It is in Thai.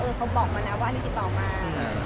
พี่เอ็มเค้าเป็นระบองโรงงานหรือเปลี่ยนไงครับ